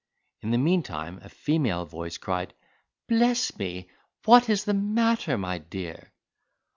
In the meantime a female voice cried, "Bless me! what is the matter, my dear?"